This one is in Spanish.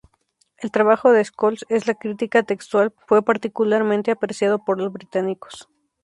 El trabajo de Scholz en la crítica textual fue particularmente apreciado por los británicos.